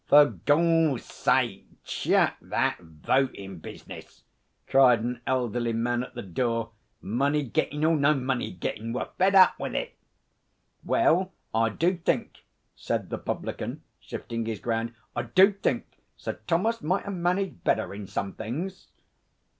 'For Gorze sake, chuck that votin' business,' cried an elderly man at the door. 'Money gettin' or no money gettin', we're fed up with it.' 'Well, I do think,' said the publican, shifting his ground, 'I do think Sir Thomas might ha' managed better in some things.'